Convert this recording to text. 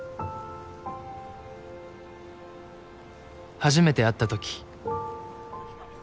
初めて会ったとき。